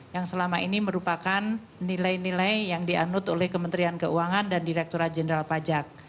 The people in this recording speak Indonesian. yang selama ini merupakan nilai nilai yang dianut oleh kementerian keuangan dan direkturat jenderal pajak